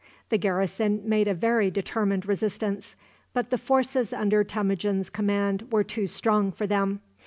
The garrison made a very determined resistance. But the forces under Temujin's command were too strong for them.